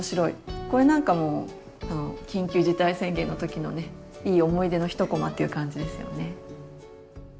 これなんかも多分緊急事態宣言の時のねいい思い出の一こまっていう感じですよね。